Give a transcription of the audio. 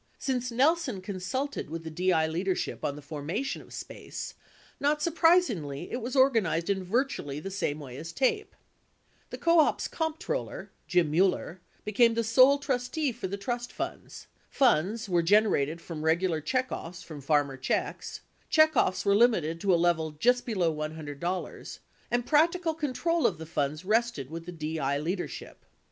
19 Since Nelson consulted with the 1)1 leader ship on the formation of SPACE, not surprisingly it was organized in virtually the same way as TAPE : The co op's comptroller (Jim Mueller) became the sole trustee for the trust funds ; funds were gen erated from regular checkoffs from farmer checks; checkoffs were limited to a level just below $100; and practical control of the funds rested with the DI leadership.